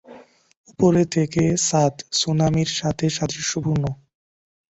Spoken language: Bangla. উপরে থেকে, ছাদ সুনামির সাথে সাদৃশ্যপূর্ণ।